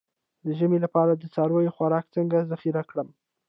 د ژمي لپاره د څارویو خوراک څنګه ذخیره کړم؟